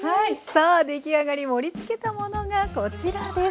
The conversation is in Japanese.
さあ出来上がり盛りつけたものがこちらです。